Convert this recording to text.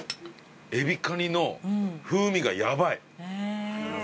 エビカニの風味がヤバい。